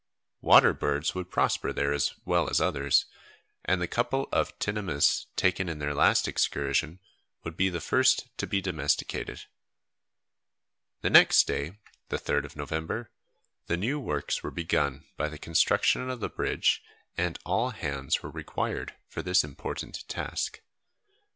Water birds would prosper there as well as others, and the couple of tinamous taken in their last excursion would be the first to be domesticated. The next day, the 3rd of November, the new works were begun by the construction of the bridge, and all hands were required for this important task.